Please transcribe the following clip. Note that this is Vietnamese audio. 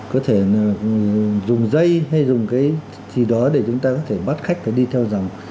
có thể là dùng dây hay dùng cái gì đó để chúng ta có thể bắt khách và đi theo dòng